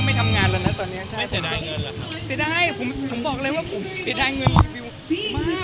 มันเหลืออีกเยอะไหมที่ยังไม่เสร็จอะ